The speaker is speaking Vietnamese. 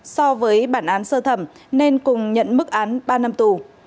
so với bản án sơ thẩm nên cùng nhận mức án ba năm tù